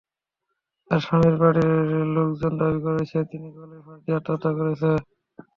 তবে স্বামীর বাড়ির লোকজন দাবি করেছে, তিনি গলায় ফাঁস নিয়ে আত্মহত্যা করেছেন।